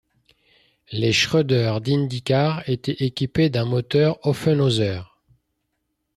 Les Schroeder d'IndyCar étaient équipées d'un moteur Offenhauser.